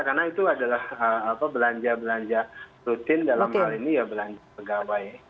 karena itu adalah belanja belanja rutin dalam hal ini ya belanja pegawai